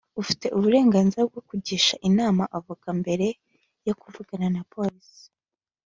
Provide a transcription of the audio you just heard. ufite uburenganzira bwo kugisha inama avoka mbere yo kuvugana na polisi